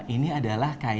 ini adalah kainnya